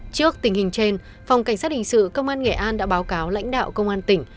trước tình hình trên phòng cảnh sát hình sự công an nghệ an đã báo cáo lãnh đạo công an tỉnh